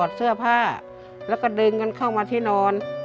ถอดเสื้อผ้ากระดึงกันเข้ามันที่นอน